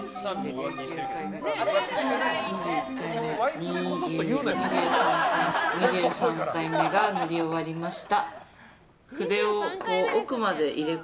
２３回目、塗り終わりました。